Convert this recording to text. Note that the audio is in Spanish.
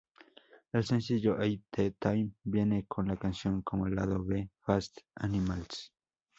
El sencillo "All the Time" viene con la canción como lado B "Fast Animals".